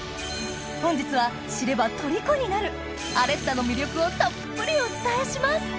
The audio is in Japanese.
本日は知ればとりこになるアレッタの魅力をたっぷりお伝えします